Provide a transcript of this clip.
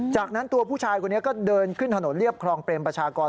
จากนั้นตัวผู้ชายคนนี้ก็เดินขึ้นถนนเรียบคลองเปรมประชากร